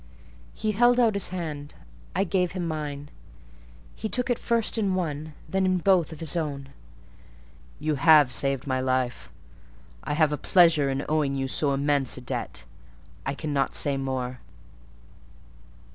He held out his hand; I gave him mine: he took it first in one, then in both his own. "You have saved my life: I have a pleasure in owing you so immense a debt. I cannot say more.